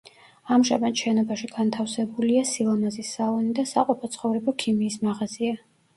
ამჟამად შენობაში განთავსებულია სილამაზის სალონი და საყოფაცხოვრებო ქიმიის მაღაზია.